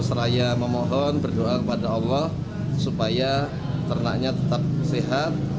seraya memohon berdoa kepada allah supaya ternaknya tetap sehat